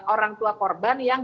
orang tua korban yang